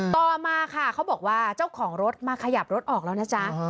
ต่อมาค่ะเขาบอกว่าเจ้าของรถมาขยับรถออกแล้วนะจ๊ะ